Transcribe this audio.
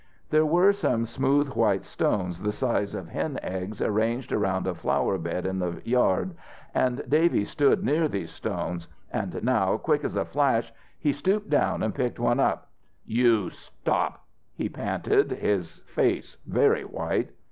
There were some smooth white stones the size of hen eggs arranged around a flower bed in the yard, and Davy stood near these stones and now, quick as a flash, he stooped down and picked one up. "You stop!" he panted, his face very white.